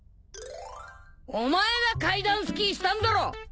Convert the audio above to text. お前が階段スキーしたんだろ！